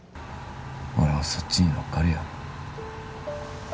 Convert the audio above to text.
俺もそっちに乗っかるよ